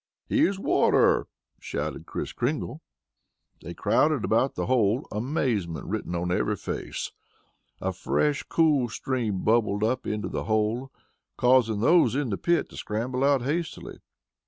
"Here's water!" shouted Kris Kringle. They crowded about the hole, amazement written on every face. A fresh, cool stream bubbled up into the hole, causing those in the pit to scramble out hastily.